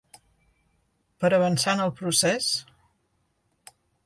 Per avançar en el procés?